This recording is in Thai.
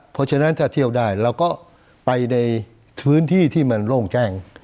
เพราะฉะนั้นถ้าเที่ยวได้เราก็ไปในพื้นที่ที่มันโล่งแจ้ง